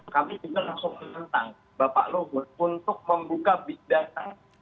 kami juga langsung menentang bapak luhut untuk membuka big data